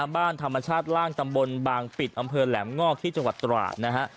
บ้านธรรมชาติล่างตำบลบางปิดอำเภอแหลมงอกที่จังหวัดตราดนะฮะ